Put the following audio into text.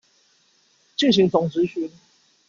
進行總質詢